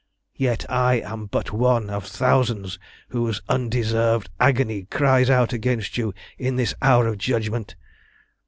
Yet I am but one of thousands whose undeserved agony cries out against you in this hour of judgment.